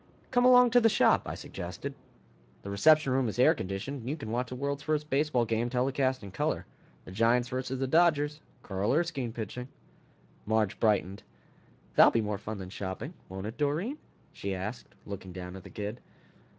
"Come along to the shop," I suggested. "The reception room is air conditioned and you can watch the world's first baseball game telecast in color. The Giants versus the Dodgers, Carl Erskine pitching." Marge brightened. "That'll be more fun than shopping, won't it, Doreen?" she asked, looking down at the kid.